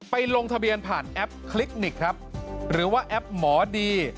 ลงทะเบียนผ่านแอปคลิกนิคครับหรือว่าแอปหมอดี